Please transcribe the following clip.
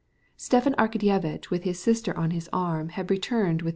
Stepan Arkadyevitch, with his sister on his arm, turned back.